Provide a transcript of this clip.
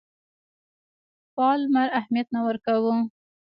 پالمر اهمیت نه ورکاوه.